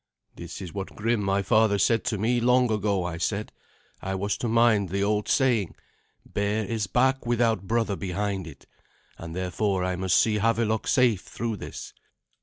"This is what Grim, my father, said to me long ago," I said "I was to mind the old saying, 'Bare is back without brother behind it;' and, therefore, I must see Havelok safe through this."